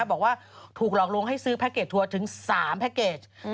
บอกว่าถูกหลอกลวงให้ซื้อแพ็คเกจทัวร์ถึง๓แพ็คเกจ